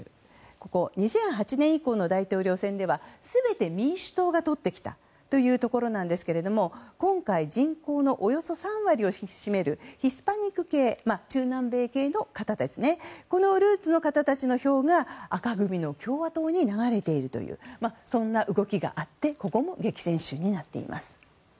ここ、２００８年以降の大統領選では全て民主党がとってきたというところなんですけれども今回、人口のおよそ３割を占めるヒスパニック系中南米系の方ですねこのルーツの方たちの票が赤組の共和党に流れているというそんな動きがあってここも激戦州になっています。